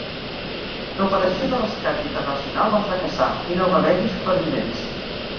L'operació de rescat internacional va fracassar i no va haver-hi supervivents.